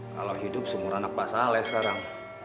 kalau hidup seumur anak pak saleh sekarang